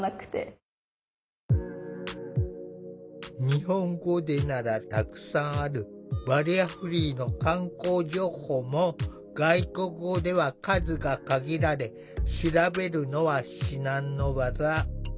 日本語でならたくさんあるバリアフリーの観光情報も外国語では数が限られ調べるのは至難の業。